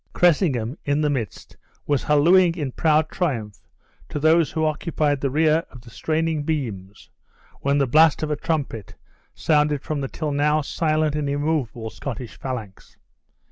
Cressingham, in the midst, was hallooing in proud triumph to those who occupied the rear of the straining beams, when the blast of a trumpet sounded from the till now silent and immovable Scottish phalanx.